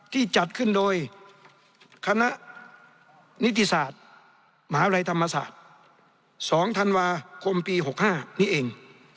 จัดขึ้นโดยคณะนิติศาสตร์มหาวิทยาลัยธรรมศาสตร์๒ธันวาคมปี๖๕นี้เอง